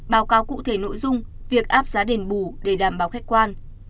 báo cáo cụ thể nội dung việc áp giá đền bù để đảm bảo khách quan